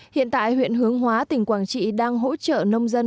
hiện tại huyện hướng hóa tỉnh quảng trị đang hỗ trợ nông dân